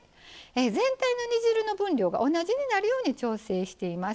全体の煮汁の分量が同じになるように調整しています。